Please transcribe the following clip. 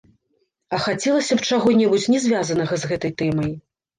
А хацелася б чаго-небудзь не звязанага з гэтай тэмай.